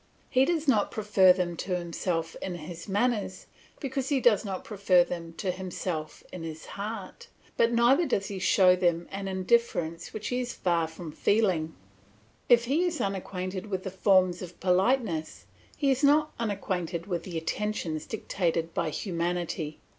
He does not prefer them to himself in his manners, because he does not prefer them to himself in his heart, but neither does he show them an indifference which he is far from feeling; if he is unacquainted with the forms of politeness, he is not unacquainted with the attentions dictated by humanity.